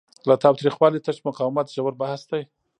له تاوتریخوالي تش مقاومت ژور بحث دی.